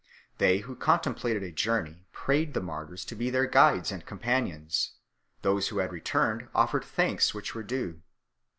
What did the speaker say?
They who contemplated a journey prayed the martyrs to be their guides and companions; those who had returned offered thanks which were due.